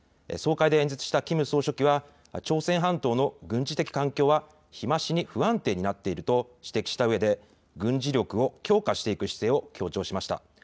総会で演説したキム総書記は朝鮮半島の軍事的環境は日増しに不安定になっていると指摘したうえで軍事力を強化していく姿勢を強調しました。